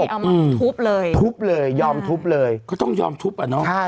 เอามาทุบเลยทุบเลยยอมทุบเลยก็ต้องยอมทุบอ่ะเนอะใช่